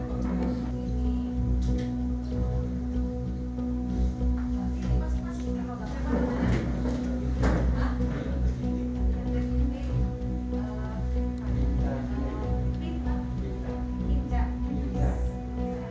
karena di pemerintahan itu dibilang perbudakan makan dua kali sehari gitu ya